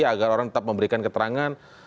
agar orang tetap memberikan keterangan